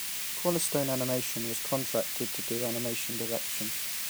Cornerstone Animation was contracted to do animation direction.